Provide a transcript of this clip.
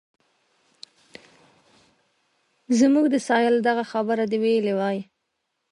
زموږ د سایل دغه خبره دې ویلې وای.